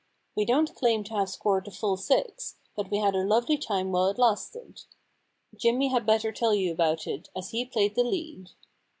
We don't claim to have scored the full six, but we had a lovely time while it lasted. Jimmy had better tell you about it, as he played the lead.